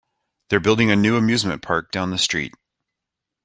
They're building a new amusement park down the street.